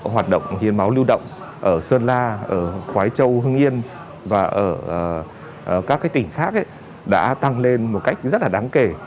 hoạt động hiến máu lưu động ở sơn la khói châu hưng yên và các tỉnh khác đã tăng lên một cách rất đáng kể